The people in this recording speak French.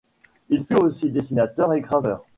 Il fut aussi dessinateur et graveur.